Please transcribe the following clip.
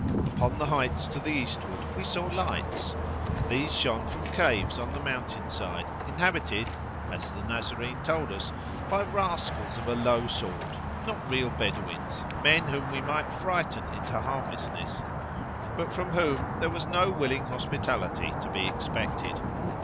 Upon the heights to the eastward we saw lights; these shone from caves on the mountain side, inhabited, as the Nazarene told us, by rascals of a low sort—not real Bedouins, men whom we might frighten into harmlessness, but from whom there was no willing hospitality to be expected.